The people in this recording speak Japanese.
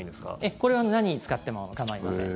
これは何に使っても構いません。